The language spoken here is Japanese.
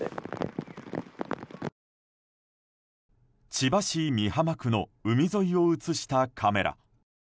千葉市美浜区の海沿いを映したカメラ。